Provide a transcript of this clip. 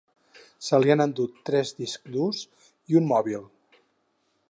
Se li han endut tres discs durs i un mòbil.